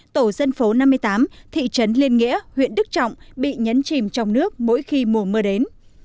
tổ dân phố năm mươi tám thị trấn liên nghĩa huyện đức trọng bị nhấn chìm trong nước mỗi khi mùa mưa đến